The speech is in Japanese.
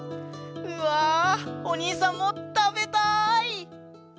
うわおにいさんもたべたい！